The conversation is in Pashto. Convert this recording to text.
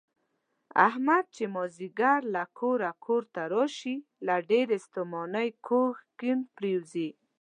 احمد چې مازدیګر له کاره کورته راشي، له ډېرې ستومانۍ کوږ کیڼ پرېوځي.